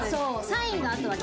サインがあとは。